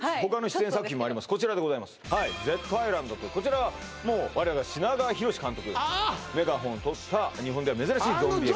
はいちょっとですけどこちらでございます「Ｚアイランド」とこちらは我らが品川ヒロシ監督がメガホンを取った日本では珍しいゾンビ映画